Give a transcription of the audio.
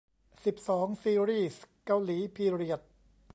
สิบสอง ซีรีส์เกาหลีพีเรียด